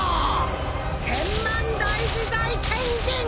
天満大自在天神！